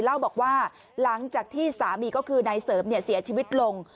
เล่าบอกว่าหลังจากที่สามีก็คือนายเสริมเสียชีวิตลง